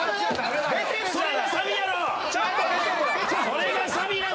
それがサビやろ！